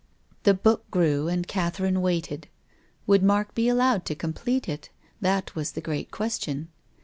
The book grew and Catherine waited. Would Mark be allowed to complete it ? that was the great question.